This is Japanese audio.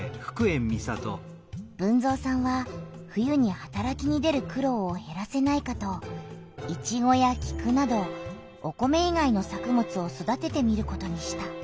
豊造さんは冬にはたらきに出る苦ろうをへらせないかとイチゴやキクなどお米いがいの作物を育ててみることにした。